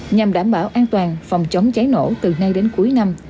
nhằm đảm bảo an toàn phòng chống cháy nổ từ nay đến cuối năm